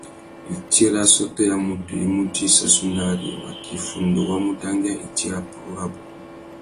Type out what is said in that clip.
Itsi râ assôtô ya mutu i mú djï sassunari, watu iffundu wa mu dangüia itsi râ purú rabú.